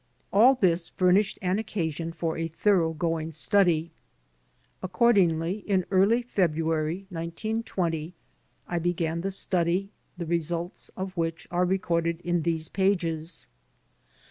All this furnished an occasion for a thorogoing study. Accordingly, in early February, 1920, I began the study, the results of which are recorded in these pages.